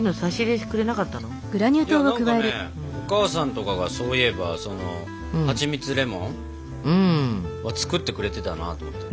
お母さんとかがそういえばそのはちみつレモンを作ってくれてたなと思って。